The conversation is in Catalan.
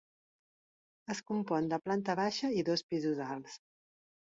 Es compon de planta baixa i dos pisos alts.